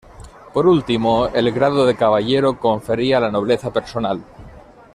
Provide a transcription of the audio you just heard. Por último, el grado de caballero confería la nobleza personal.